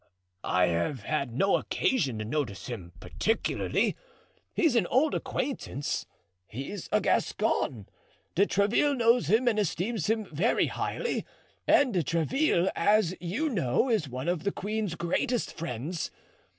I have had no occasion to notice him particularly; he's an old acquaintance. He's a Gascon. De Tréville knows him and esteems him very highly, and De Tréville, as you know, is one of the queen's greatest friends.